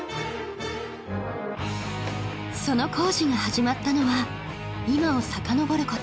その工事が始まったのは今をさかのぼる事